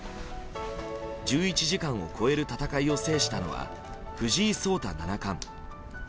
１１時間を超える戦いを制したのは、藤井聡太七冠。